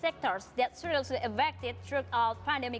pak t basri dan semua penonton webinar